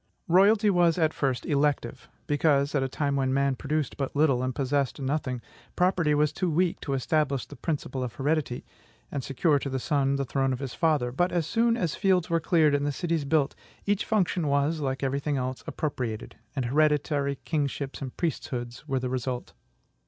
Royalty was at first elective, because at a time when man produced but little and possessed nothing property was too weak to establish the principle of heredity, and secure to the son the throne of his father; but as soon as fields were cleared, and cities built, each function was, like every thing else, appropriated, and hereditary kingships and priesthoods were the result.